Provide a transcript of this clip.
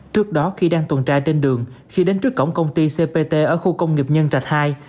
trước đó khi đang tuần tra trên đường khi đến trước cổng công ty cpt ở khu công nghiệp nhân trạch hai